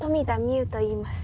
生といいます。